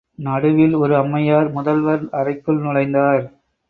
நடுவில் ஒரு அம்மையார், முதல்வர் அறைக்குள் நுழைந்தார்.